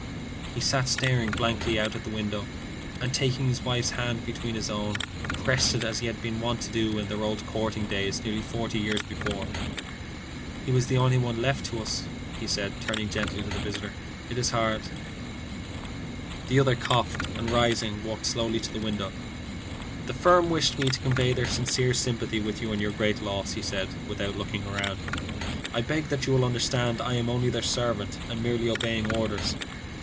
He sat staring blankly out at the window, and taking his wife's hand between his own, pressed it as he had been wont to do in their old courting days nearly forty years before. "He was the only one left to us," he said, turning gently to the visitor. "It is hard." The other coughed, and rising, walked slowly to the window. "The firm wished me to convey their sincere sympathy with you in your great loss," he said, without looking round. "I beg that you will understand I am only their servant and merely obeying orders."